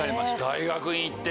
大学院行って。